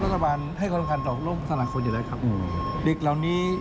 พระบาทนครรัตภาพรรดิกเหล่านี้